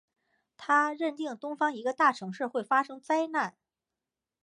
他认定东方一个大城市会发生灾难。